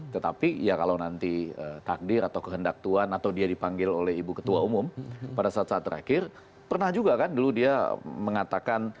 tetapi ya kalau nanti takdir atau kehendak tuhan atau dia dipanggil oleh ibu ketua umum pada saat saat terakhir pernah juga kan dulu dia mengatakan